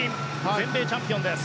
全米チャンピオンです。